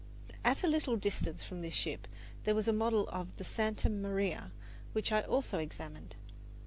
At a little distance from this ship there was a model of the Santa Maria, which I also examined.